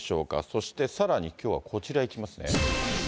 そしてさらに、きょうはこちらいきますね。